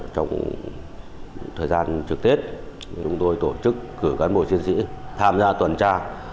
trong thời gian trực tết chúng tôi tổ chức cử cán bộ chiến sĩ tham gia tuần tra